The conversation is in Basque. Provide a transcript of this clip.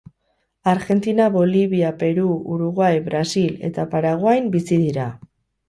Argentina, Bolivia, Peru, Uruguai, Brasil eta Paraguain bizi dira.